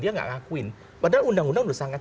dia gak ngakuin padahal undang undang udah sangat